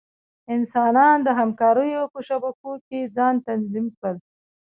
انسانان د همکاریو په شبکو کې ځان تنظیم کړل.